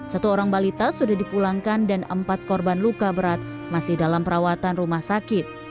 satu orang balita sudah dipulangkan dan empat korban luka berat masih dalam perawatan rumah sakit